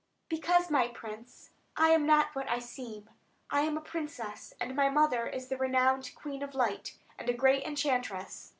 "Because, my prince, I am not what I seem. I am a princess, and my mother is the renowned Queen of Light, and a great enchantress.